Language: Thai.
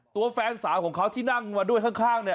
ตัวแฟนสาวของเขาที่นั่งมาด้วยข้างเนี่ย